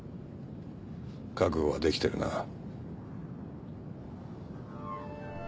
覚悟はできてるな？